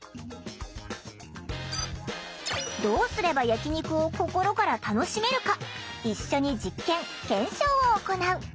どうすれば焼き肉を心から楽しめるか一緒に実験・検証を行う。